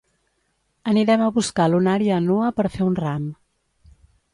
Anirem a buscar lunaria annua per fer un ram